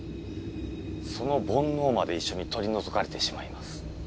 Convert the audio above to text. その煩悩まで一緒に取り除かれてしまいます。